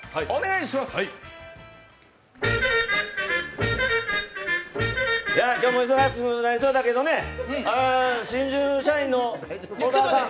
いや今日も忙しくなりそうだけどね、新入社員の幸澤さん。